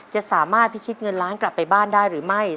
จะสามารถพิชิตเงินล้านกลับไปบ้านได้หรือไม่